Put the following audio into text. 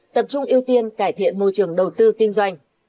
tập trung ưu tiên cải thiện môi trường đầu tư kinh doanh